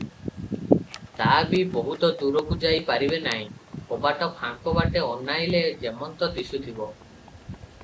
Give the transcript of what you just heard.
ତା’ ବି ବହୁତ ଦୂରକୁ ଯାଇ ପାରିବେ ନାହିଁ, କବାଟ ଫାଙ୍କ ବାଟେ ଅନାଇଲେ ଯେମନ୍ତ ଦିଶୁଥିବ ।